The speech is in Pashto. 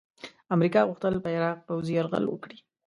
امریکا غوښتل په عراق پوځي یرغل وکړي.